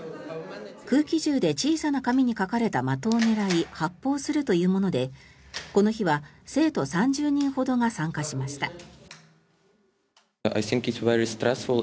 空気銃で小さな紙に書かれた的を狙い発砲するというものでこの日は生徒３０人ほどが参加しました。